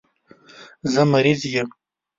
زه مریض یم.